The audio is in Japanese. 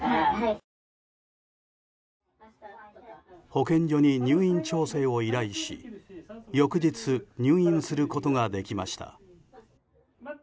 保健所に入院調整を依頼し翌日、入院することができました。